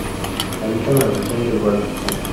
Habita en la región del Báltico.